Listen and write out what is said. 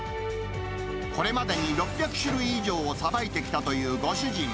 これまでに６００種類以上をさばいてきたというご主人。